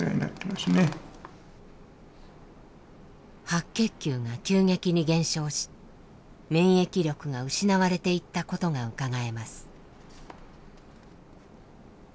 白血球が急激に減少し免疫力が失われていったことがうかがえます。